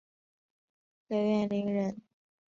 刘元霖人。